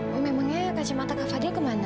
memangnya kacamata kak fadil ke mana